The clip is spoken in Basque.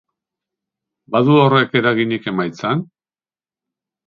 Badu horrek eraginik emaitzan?